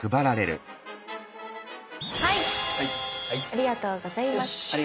ありがとうございます。